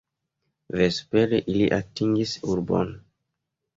Vespere ili atingis urbon.